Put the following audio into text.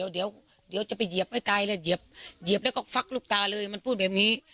เดี๋ยวจะไปเหยียบให้ตายเลยเหยียบแล้วก็ฟักลูกตาเลยมันพูดแบบนี้